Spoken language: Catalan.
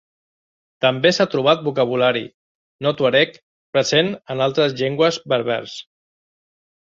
També s'ha trobat vocabulari no tuareg present en altres llengües berbers.